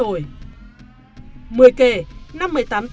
mười kể năm một mươi tám tuổi hắn xin gia đình rời quê nghệ an và đồng nai để lập nghiệp